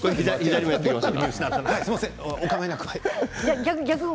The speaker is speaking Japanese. すみません、おかまいなく。